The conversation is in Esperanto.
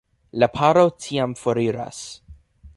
La paro tiam foriras.